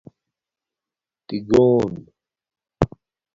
تِگݸن